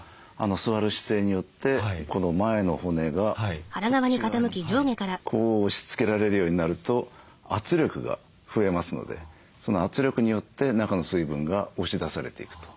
座る姿勢によってこの前の骨がこっち側にこう押しつけられるようになると圧力が増えますのでその圧力によって中の水分が押し出されていくと。